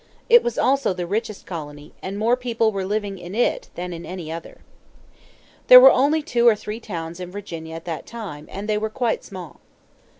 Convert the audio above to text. It was also the richest colony, and more people were living in it than in any other. There were only two or three towns in Virginia at that time, and they were quite small.